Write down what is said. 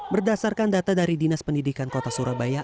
berdasarkan data dari dinas pendidikan kota surabaya